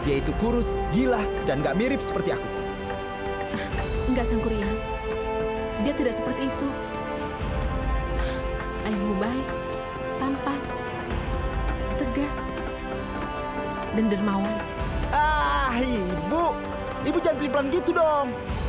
ah ibu ibu jangan pelan pelan gitu dong